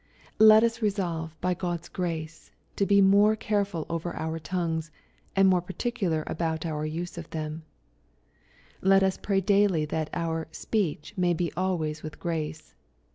Let us resolve, by God's gra3e, to be more carefol over onr tongaes, and more particnlar about our use of them* Let US pray daily that our "Speech may be always with grace."